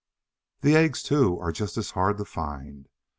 The eggs, too, are just as hard to find.